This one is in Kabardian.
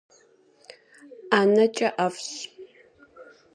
ӀэнэкӀэ ӀэфӀщ.